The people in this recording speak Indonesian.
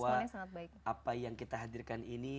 apa yang kita hadirkan ini